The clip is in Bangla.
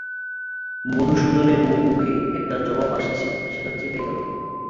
মধুসূদনের মুখে একটা জবাব আসছিল, সেটা চেপে গেল।